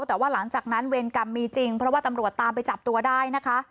แต่ว่าหลังจากนั้นเวรกรรมมีจริงเพราะว่าตำรวจตามไปจับตัวได้นะคะ